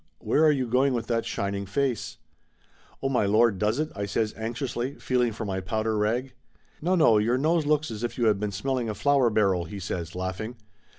"Where are you going with that shining face ?" "Oh, my Lord, does it?" I says anxiously, feeling for my powder rag. "No, no; your nose looks as if you had been smell ing a flour barrel !" he says, laughing.